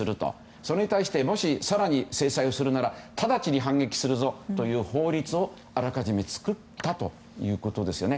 それに対して更に制裁をするなら直ちに反撃するぞという法律をあらかじめ作ったということですね。